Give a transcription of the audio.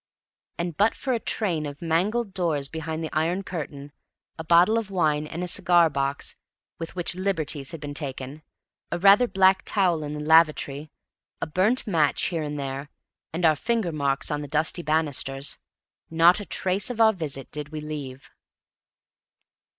And but for a train of mangled doors behind the iron curtain, a bottle of wine and a cigar box with which liberties had been taken, a rather black towel in the lavatory, a burnt match here and there, and our finger marks on the dusty banisters, not a trace of our visit did we leave.